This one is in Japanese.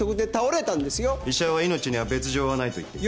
医者は「命には別状はない」と言っていた。